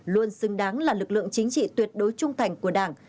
luôn xứng đáng là lực lượng chính trị tuyệt đối trung thành của đảng